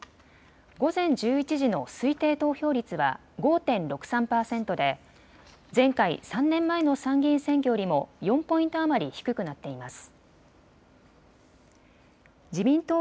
午前１１時の推定投票率は５．６３％で前回３年前の参議院選挙よりも４ポイント余り低くなっています。